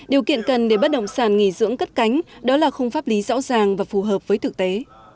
điều kiện cần để bất động sản nghỉ dưỡng cất cánh đó là không pháp lý rõ ràng và phù hợp với thực tế